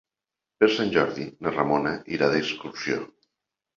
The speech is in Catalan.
Per Sant Jordi na Ramona irà d'excursió.